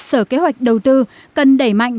sở kế hoạch đầu tư cần đẩy mạnh